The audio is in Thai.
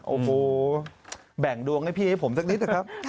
โอ้โหแบ่งดวงให้พี่ให้ผมสักนิดนะครับ